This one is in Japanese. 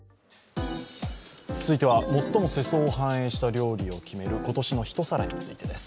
続いては最も世相を反映した料理を決める今年の一皿についてです。